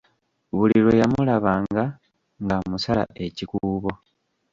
Buli lwe yamulabanga ng'amusala ekikuubo!